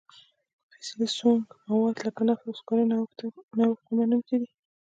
فسیلي سونګ مواد لکه نفت او سکاره نوښت نه منونکي دي.